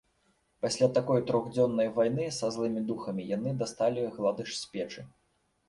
Пасля такой трохдзённай вайны са злымі духамі яны дасталі гладыш з печы.